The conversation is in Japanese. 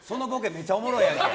めっちゃおもろいやんけ。